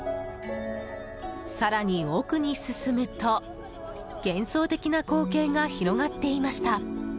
更に奥に進むと、幻想的な光景が広がっていました。